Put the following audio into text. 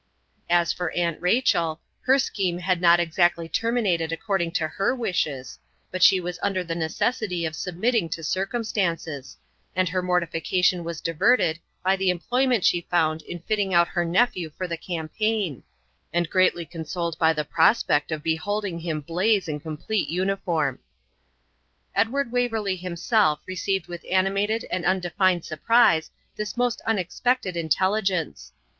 As for Aunt Rachel, her scheme had not exactly terminated according to her wishes, but she was under the necessity of submitting to circumstances; and her mortification was diverted by the employment she found in fitting out her nephew for the campaign, and greatly consoled by the prospect of beholding him blaze in complete uniform. Edward Waverley himself received with animated and undefined surprise this most unexpected intelligence.